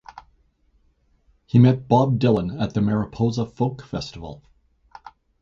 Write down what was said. He met Bob Dylan at the Mariposa Folk Festival.